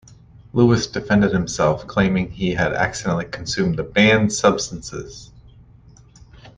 Lewis defended himself, claiming that he had accidentally consumed the banned substances.